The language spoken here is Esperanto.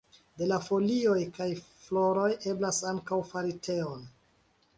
De la folioj kaj floroj eblas ankaŭ fari teon.